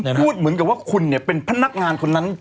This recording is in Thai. นี่คุณพูดเหมือนกับว่าคุณเป็นพนักงานคนนั้น